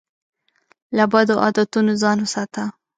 له بدو عادتونو ځان وساته.